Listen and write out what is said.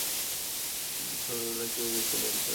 ছোড়ার লড়াই কীভাবে জিততে হয় জানতে চাও?